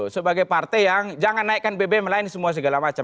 sebagai partai yang jangan naikkan bbm lain semua segala macam